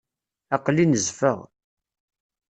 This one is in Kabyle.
Aql-i nezfeɣ.